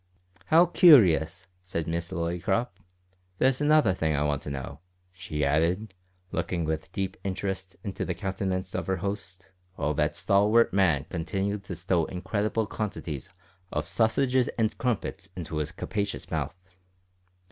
"How curious!" said Miss Lillycrop. "There's another thing I want to know," she added, looking with deep interest into the countenance of her host, while that stalwart man continued to stow incredible quantities of sausages and crumpets into his capacious mouth.